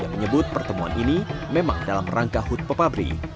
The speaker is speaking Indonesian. yang menyambut pertemuan ini memang dalam rangkah hut pepabri